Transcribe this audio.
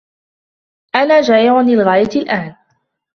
أنا جائع للغاية الآن.